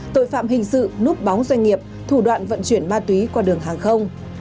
tội phạm hình sự núp bóng doanh nghiệp thủ đoạn vận chuyển ma túy qua đường hàng không